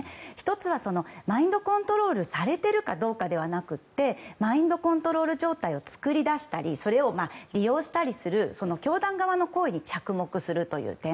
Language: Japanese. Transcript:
１つは、マインドコントロールをされているかどうかではなくてマインドコントロール状態を作り出したりそれを利用したりする教団側の行為に着目するという点。